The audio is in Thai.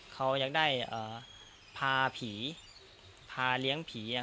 เขาอยากได้เอ่อพาผีพาเลี้ยงผีอ่ะ